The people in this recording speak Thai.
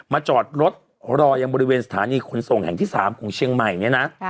จอดรถรอยังบริเวณสถานีขนส่งแห่งที่๓ของเชียงใหม่เนี่ยนะ